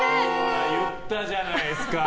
言ったじゃないですか。